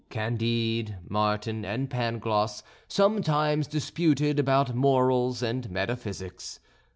Candide, Martin, and Pangloss sometimes disputed about morals and metaphysics.